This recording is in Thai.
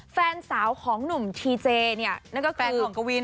แฟนสาวของหนุ่มทีเจเนี่ย